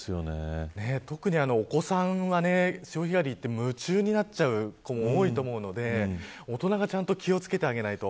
特にお子さんは潮干狩りに行って夢中になってしまう子も多いと思うので大人が気を付けてあげないと。